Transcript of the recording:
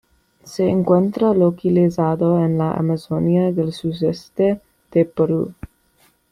Se encuentra localizado en la Amazonía del sudeste de Perú.